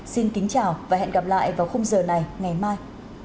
xin kính chào và hẹn gặp lại vào khung giờ này ngày mai